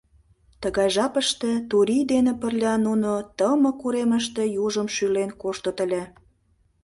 Тыгай жапыште Турий дене пырля нуно тымык уремыште южым шӱлен коштыт ыле.